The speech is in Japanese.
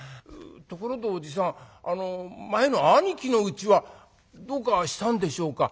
ところでおじさん前の兄貴のうちはどうかしたんでしょうか？」。